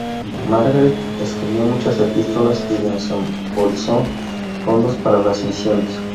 Margaret escribió muchas epístolas y desembolsó fondos para las misiones.